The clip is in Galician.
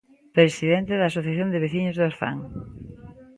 Presidente da Asociación de veciños do Orzán.